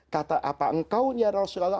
kata apa engkau ya rasulullah